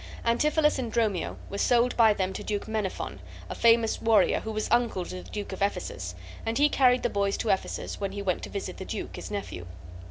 Antipholus and Dromio were sold by them to Duke Menaphon, a famous warrior, who was uncle to the Duke of Ephesus, and he carried the boys to Ephesus when he went to visit the duke, his nephew.